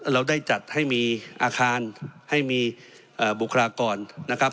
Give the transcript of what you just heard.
เราได้จัดให้มีอาคารให้มีบุคลากรนะครับ